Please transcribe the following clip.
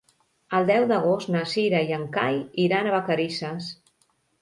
El deu d'agost na Cira i en Cai iran a Vacarisses.